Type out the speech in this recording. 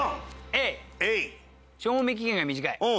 Ａ賞味期限が短い。